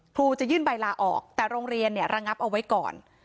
ครูจะยื่นใบลาออกแต่โรงเรียนเนี่ยระงับเอาไว้ก่อน